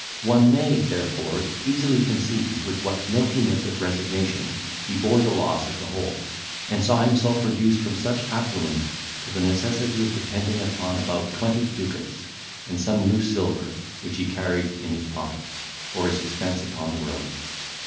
One may, therefore, easily conceive with what milkiness of resignation he bore the loss of the whole, and saw himself reduced from such affluence to the necessity of depending upon about twenty ducats, and some loose silver, which he carried in his pocket, for his expense upon the road.